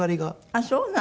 あっそうなの。